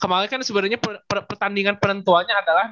kemarin kan sebenarnya pertandingan penentuannya adalah